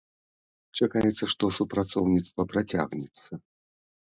Чакаецца, што супрацоўніцтва працягнецца.